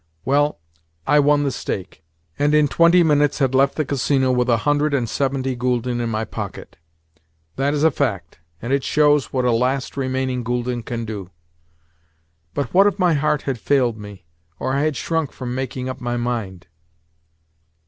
Well, I won the stake, and in twenty minutes had left the Casino with a hundred and seventy gülden in my pocket! That is a fact, and it shows what a last remaining gülden can do.... But what if my heart had failed me, or I had shrunk from making up my mind?